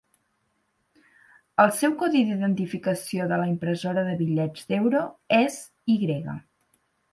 El seu codi d'identificació de la impressora de bitllets d'Euro és Y.